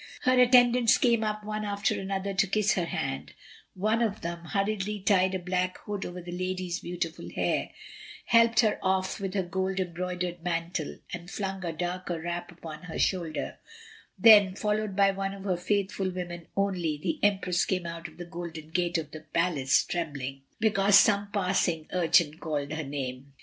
Her attendants came up one after another to kiss her hand; one of them hurriedly tied a black hood over the lady's beautiful hair, helped her off with her gold embroidered mantle, and flung a darker wrap upon her shoulder; then, followed by one of her faithful women only, the empress came out of the golden gate of the palace, trembling, because some passing urchin called her name.